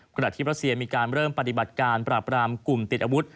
ขณะที่รัสเซียมีการเริ่มปฏิบัติการปราบรามกลุ่มติดอาวุธ